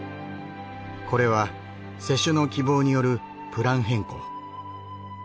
これは施主の希望によるプラン変更。